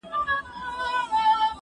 زه پرون کتابونه ليکم!!